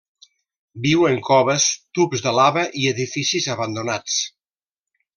Viu en coves, tubs de lava i edificis abandonats.